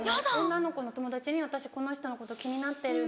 女の子の友達に「私この人のこと気になってる」。